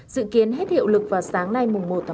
dự kiến hết hiệu lực vào sáng nay một một mươi hai